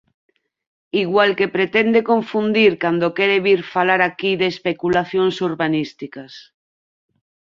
Igual que pretende confundir cando quere vir falar aquí de especulacións urbanísticas.